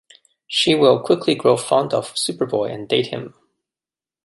She will quickly grow fond of Superboy and date him.